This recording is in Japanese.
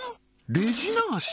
レジ流し！？